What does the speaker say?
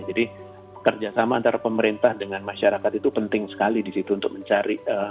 jadi kerjasama antara pemerintah dengan masyarakat itu penting sekali di situ untuk mencari